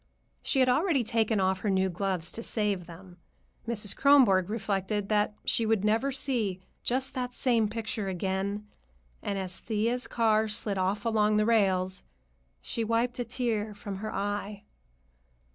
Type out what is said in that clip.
She had already taken off her new gloves to save them. Mrs. Kronborg reflected that she would never see just that same picture again, and as Thea's car slid off along the rails, she wiped a tear from her eye.